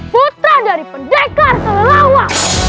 putra dari pendekar telawa